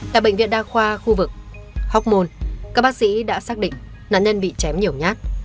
tại bệnh viện đa khoa khu vực hóc môn các bác sĩ đã xác định nạn nhân bị chém nhiều nhát